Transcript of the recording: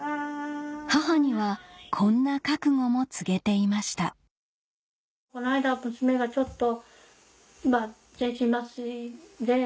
母にはこんな覚悟も告げていましたこないだ娘がちょっと。